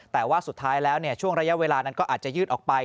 แต่ว่าสุดท้ายแล้วช่วงระยะเวลานั้นก็อาจจะยืดออกไป